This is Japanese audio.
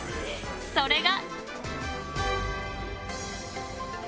それが。